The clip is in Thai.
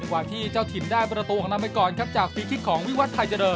ดีกว่าที่เจ้าชินได้เป็นละตัวของนำไว้ก่อนครับจากศิษย์คิดของวิวัตรไทยเจริญ